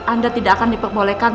anda tidak akan diperbolehkan